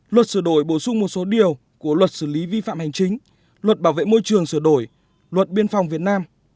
luật sửa đổi bổ sung một số điều của luật xử lý vi phạm hành chính luật bảo vệ môi trường sửa đổi luật biên phòng việt nam